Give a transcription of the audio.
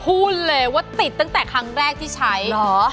พูดเลยว่าติดตั้งแต่ครั้งแรกที่ใช้